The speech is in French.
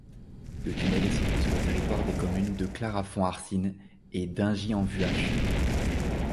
Le tunnel est situé sur le territoire des communes de Clarafond-Arcine et Dingy-en-Vuache.